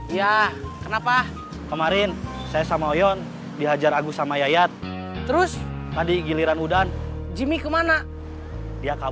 iya kenapa kemarin saya sama oyun dia ajar agus sama yaya terus tadi giliran udan jimmy kemana